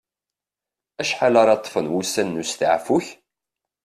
Acḥal ara ṭṭfen wussan n usteɛfu-k?